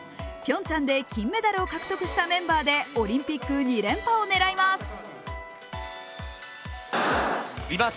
ピョンチャンで金メダルを獲得したメンバーでオリンピック２連覇を狙います。